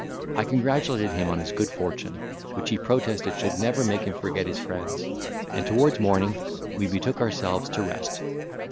I congratulated him on his good fortune, which he protested should never make him forget his friends; and, towards morning, we betook ourselves to rest.